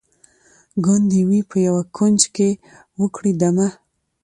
ګوندي وي په یوه کونج کي وکړي دمه